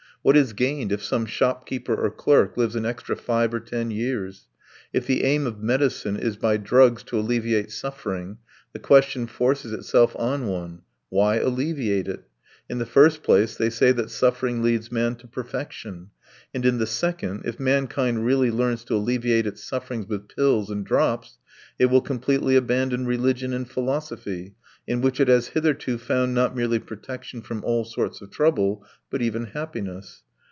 What is gained if some shop keeper or clerk lives an extra five or ten years? If the aim of medicine is by drugs to alleviate suffering, the question forces itself on one: why alleviate it? In the first place, they say that suffering leads man to perfection; and in the second, if mankind really learns to alleviate its sufferings with pills and drops, it will completely abandon religion and philosophy, in which it has hitherto found not merely protection from all sorts of trouble, but even happiness.